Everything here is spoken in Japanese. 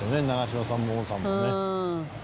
長嶋さんも王さんもね。